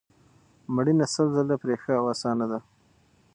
مړینه سل ځله پرې ښه او اسانه ده